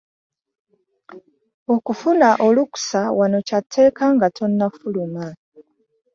Okufuna olukusa wano kya tteeka nga tonnafuluma.